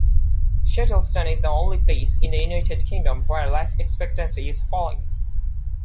Shettleston is the only place in the United Kingdom where life expectancy is falling.